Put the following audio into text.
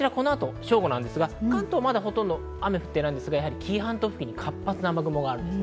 関東はほとんど雨が降っていないんですが、紀伊半島付近、活発な雨雲があります。